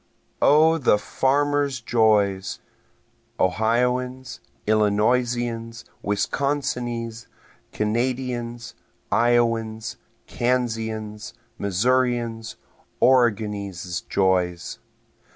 O the farmer's joys! Ohioan's, Illinoisian's, Wisconsinese', Kanadian's, Iowan's, Kansian's, Missourian's, Oregonese' joys!